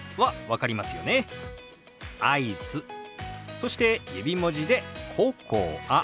そして指文字で「ココア」。